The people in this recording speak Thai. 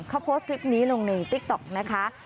เขาโพสต์คลิปนี้ลงในติ๊กต๊อกนะคะ